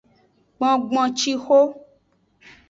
Gbongboncixo.